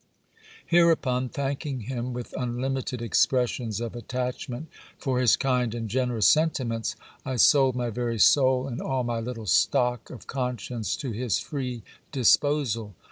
Hereupon, thanking him with unlimited expressions of attachment for his kind and generous sentiments, I sold my very soul and all my little stock of conscience to his free disposal.